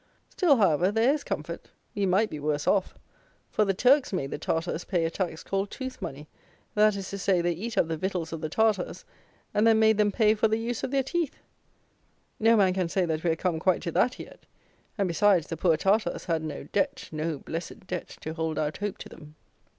Still however there is comfort; we might be worse off; for the Turks made the Tartars pay a tax called tooth money; that is to say, they eat up the victuals of the Tartars, and then made them pay for the use of their teeth. No man can say that we are come quite to that yet: and, besides, the poor Tartars had no DEBT, no blessed Debt to hold out hope to them.